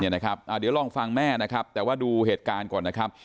เดี๋ยวลองฟังแม่นะครับแต่ว่าดูเหตุการณ์ก่อนนะครับ